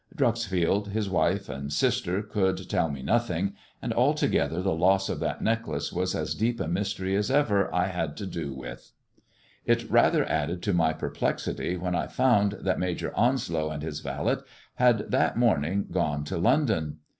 Dreuxfield, his wife, and siflte could tell me nothing, and altogether the loss of that necdt lace was as deep a mystery as ever I had to do with. It rather added to my perplexity when I found thail Major Onslow and his valet had that morning gone to' London.